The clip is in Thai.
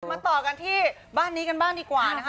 มาต่อกันที่บ้านนี้กันบ้างดีกว่านะคะ